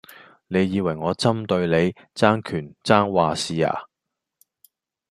你以為我針對你,爭權爭話事呀?